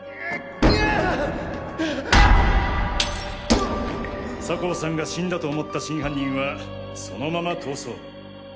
グハ酒匂さんが死んだと思った真犯人はそのまま逃走。